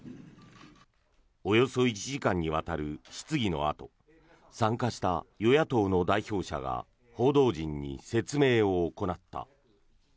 およそ１時間にわたる質疑のあと参加した与野党の代表者が報道陣に説明を行った。